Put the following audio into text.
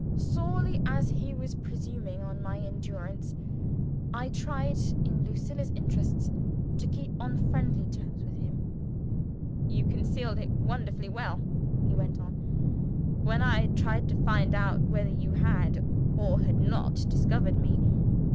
Sorely as he was presuming on my endurance, I tried, in Lucilla's interests, to keep on friendly terms with him. "You concealed it wonderfully well," he went on, "when I tried to find out whether you had, or had not discovered me.